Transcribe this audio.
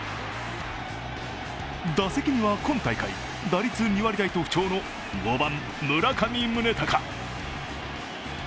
打席には今大会打率２割台と不調の５番・村上宗隆。